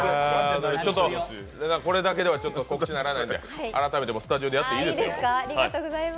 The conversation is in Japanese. これだけでは告知にならないので改めてスタジオでやっていいですよ。